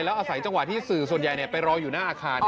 แล้วอาศัยจังหวะที่สื่อส่วนใหญ่ไปรออยู่หน้าอาคาร